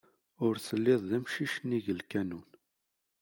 Ur telliḍ d amcic n nnig lkanun.